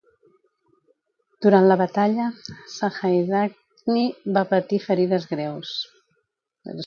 Durant la batalla, Sahaidachny va patir ferides greus.